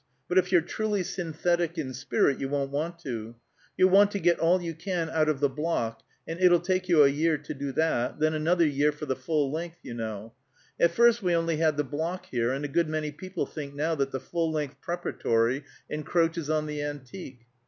But if you're truly Synthetic in spirit, you won't want to. You'll want to get all you can out of the block; and it'll take you a year to do that; then another year for the full length, you know. At first we only had the block here, and a good many people think now that the full length Preparatory encroaches on the Antique.